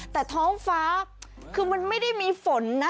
แต่ท้องฟ้าคือมันไม่ได้มีฝนนะ